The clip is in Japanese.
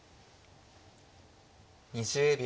２０秒。